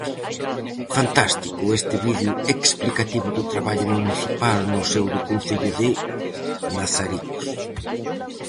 Fantástico este vídeo explicativo do traballo municipal no seo do concello de Mazaricos.